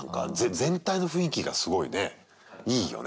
全体の雰囲気がすごいねいいよね。